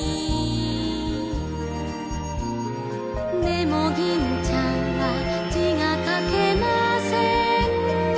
「でも銀ちゃんは字が書けません」